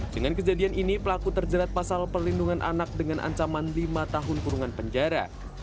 dengan kejadian ini pelaku terjerat pasal perlindungan anak dengan ancaman lima tahun kurungan penjara